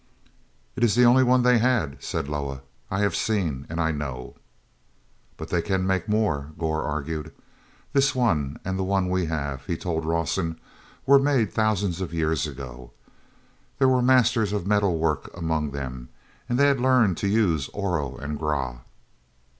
"It is the only one they had," said Loah. "I have seen, and I know." "But they can make more," Gor argued. "This one and the one we have," he told Rawson, "were made thousands of years ago. There were masters of metal work among them, and they had learned to use Oro and Grah.